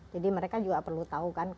jadi mereka juga perlu tahu